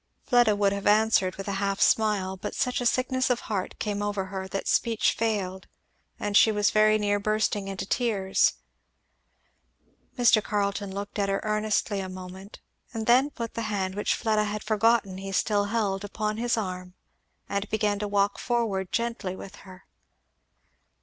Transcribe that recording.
Fleda would have answered with a half smile, but such a sickness of heart came over her that speech failed and she was very near bursting into tears. Mr. Carleton looked at her earnestly a moment, and then put the hand which Fleda had forgotten he still held, upon his arm and began to walk forward gently with her.